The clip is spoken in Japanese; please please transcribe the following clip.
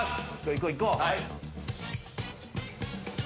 いこういこう。